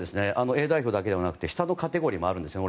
Ａ代表だけではなくて下のカテゴリーもあるんですね。